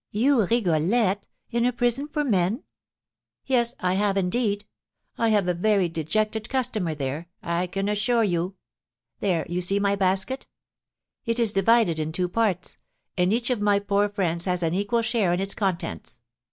"You, Rigolette, in a prison for men?" "Yes, I have, indeed. I have a very dejected customer there, I can assure you. There, you see my basket; it is divided in two parts, and each of my poor friends has an equal share in its contents.